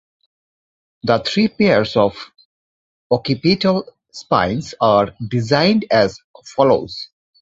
The three pairs of occipital spines are designed as follows.